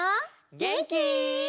げんき？